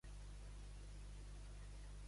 En quins films ha actuat?